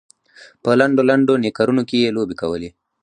په لنډو لنډو نیکرونو کې یې لوبې کولې.